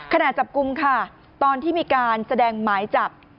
ขณะจับกลุ่มค่ะตอนที่มีการแสดงหมายจับ